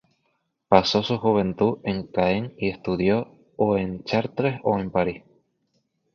Pasó su juventud en Caen y estudió o en Chartres o en París.